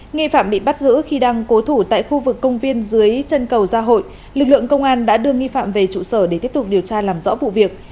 nghi phạm bị bắt giữ khi đang cố thủ tại khu vực công viên dưới chân cầu gia hội lực lượng công an đã đưa nghi phạm về trụ sở để tiếp tục điều tra làm rõ vụ việc